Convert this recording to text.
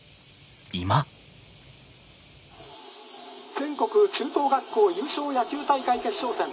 「全国中等学校優勝野球大会決勝戦。